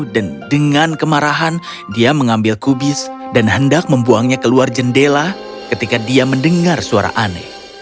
dan dengan kemarahan dia mengambil kubis dan hendak membuangnya keluar jendela ketika dia mendengar suara aneh